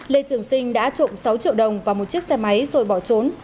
lê trường sinh đã trộm sáu triệu đồng vào một chiếc xe máy rồi bỏ trốn